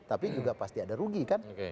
tapi juga pasti ada rugi kan